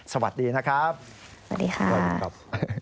สวัสดีนะครับ